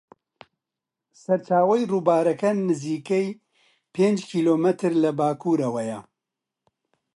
سەرچاوەی ڕووبارەکە نزیکەی پێنج کیلۆمەتر لە باکوورەوەیە.